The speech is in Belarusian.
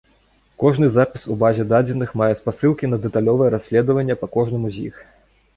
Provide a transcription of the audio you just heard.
Кожны запіс у базе дадзеных мае спасылкі на дэталёвае расследаванне па кожнаму з іх.